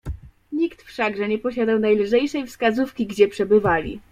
"Nikt wszakże nie posiadał najlżejszej wskazówki, gdzie przebywali."